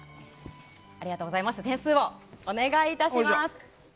点数をお願いします。